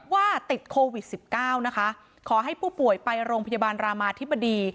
ว่าติดโควิด๑๙นะคะขอให้ผู้ป่วยไปโรงพยาบาลรามาธิบดี